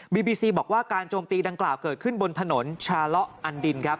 บีซีบอกว่าการโจมตีดังกล่าวเกิดขึ้นบนถนนชาเลาะอันดินครับ